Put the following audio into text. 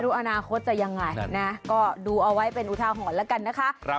อนาคตจะยังไงนะก็ดูเอาไว้เป็นอุทาหรณ์แล้วกันนะคะ